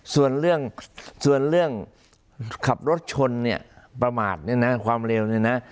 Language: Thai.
ส่วนเรื่องขับรถชนประมาทความเร็ว